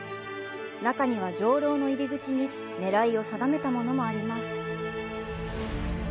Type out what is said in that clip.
中には城楼の入り口に狙いを定めたものもあります。